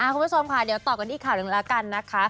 คุณผู้ชมค่ะเดี๋ยวต่อกันที่ข่าวหนึ่งแล้วกันนะคะ